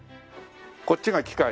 こっちが機械。